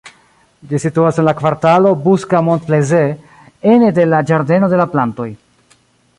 Ĝi situas en la kvartalo Busca-Montplaisir, ene de la Ĝardeno de la Plantoj.